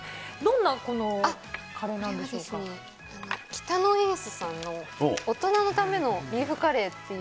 これはですね、北野エースさんの大人のためのビーフカレーっていう。